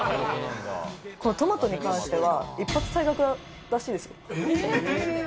トマトに関しては一発退学らしいです。